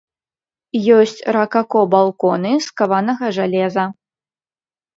Ёсць ракако балконы з каванага жалеза.